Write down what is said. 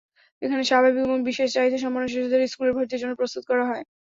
এখানে স্বাভাবিক এবং বিশেষ চাহিদাসম্পন্ন শিশুদের স্কুলে ভর্তির জন্য প্রস্তুত করা হয়।